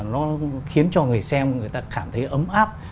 nó khiến cho người xem người ta cảm thấy ấm áp